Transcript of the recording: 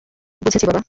বুঝেছি, বাবা।